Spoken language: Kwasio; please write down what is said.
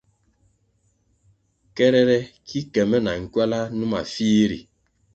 Kerere ki ke me na nkywala numa fih ri.